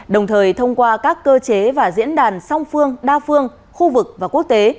đồng thời thông qua các cơ chế và diễn đàn song phương đa phương khu vực và quốc tế